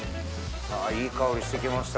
あいい香りしてきました。